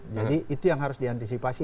jadi itu yang harus diantisipasi